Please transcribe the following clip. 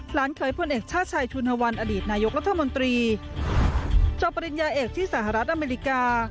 เคยพลเอกชาติชัยชุนฮวันอดีตนายกรัฐมนตรีจบปริญญาเอกที่สหรัฐอเมริกา